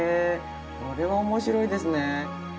これは面白いですね。